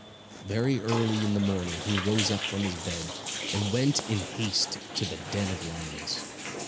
Very early in the morning he rose up from his bed and went in haste to the den of lions.